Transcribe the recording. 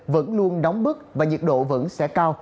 vẫn luôn đóng bức và nhiệt độ vẫn sẽ cao